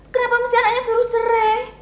kenapa mesti anaknya suruh cerai